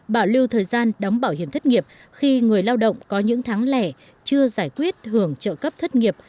ba bảo lưu thời gian đóng bảo hiểm thất nghiệp khi người lao động có những tháng lẻ chưa giải quyết hưởng trợ cấp thất nghiệp